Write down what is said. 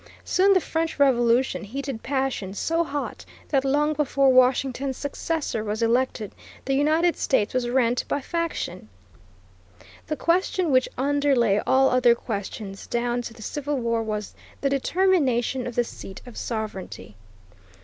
Soon the French Revolution heated passions so hot that long before Washington's successor was elected the United States was rent by faction. The question which underlay all other questions, down to the Civil War, was the determination of the seat of sovereignty.